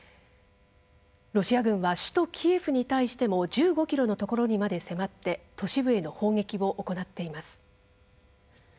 ロシア軍は首都キエフに対しても１５ｋｍのところにまで迫って都市部への砲撃を行っています。